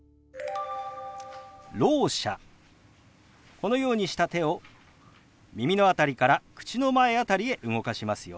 このようにした手を耳の辺りから口の前辺りへ動かしますよ。